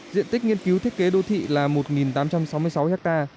diện tích nghiên cứu thiết kế đô thị là một tám trăm sáu mươi sáu ha